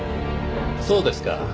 そうですか。